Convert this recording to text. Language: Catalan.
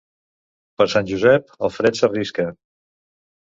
Per Sant Josep el fred s'arrisca.